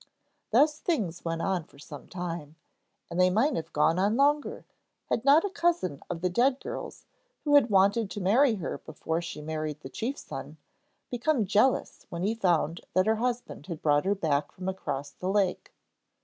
Thus things went on for some time, and they might have gone on longer, had not a cousin of the dead girl's who had wanted to marry her before she married the chief's son become jealous when he found that her husband had brought her back from across the lake.